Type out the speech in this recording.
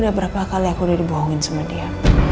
udah berapa kali aku udah dibohongin sama dia